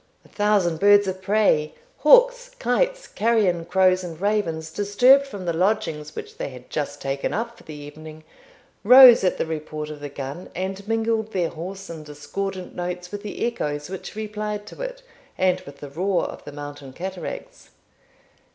A thousand birds of prey, hawks, kites, carrion crows, and ravens, disturbed from the lodgings which they had just taken up for the evening, rose at the report of the gun, and mingled their hoarse and discordant notes with the echoes which replied to it, and with the roar of the mountain cataracts.